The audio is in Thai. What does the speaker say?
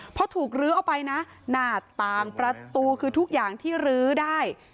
เพราะถูกลื้อเอาไปนะหน้าต่างประตูคือทุกอย่างที่รื้อได้